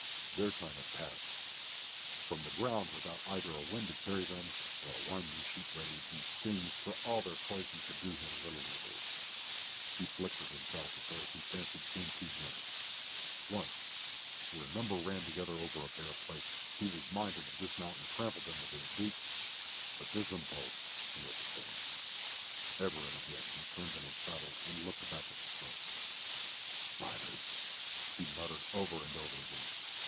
Their time had passed. From the ground without either a wind to carry them or a winding sheet ready, these things, for all their poison, could do him little evil. He flicked with his belt at those he fancied came too near. Once, where a number ran together over a bare place, he was minded to dismount and trample them with his boots, but this impulse he overcame. Ever and again he turned in his saddle, and looked back at the smoke. "Spiders," he muttered over and over again.